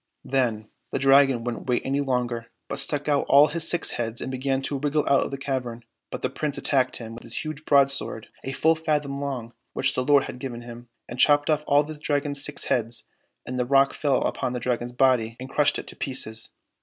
Then the Dragon wouldn't wait any longer, but stuck out all his six heads and began to wriggle out of the cavern ; but the Prince attacked him with his huge broadsword, a full fathom long, which the Lord had given him, and chopped off all the Dragon's six heads, and the rock fell upon the Dragon's body and crushed it to pieces.